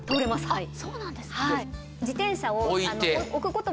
はい。